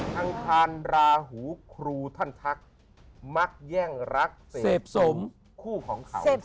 อังคารราหูครูท่านทักมักแย่งรักเสพสมคู่ของเขา